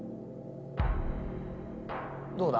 どうだ？